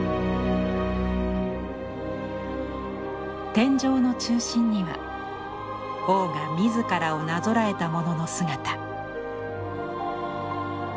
天井の中心には王が自らをなぞらえたものの姿。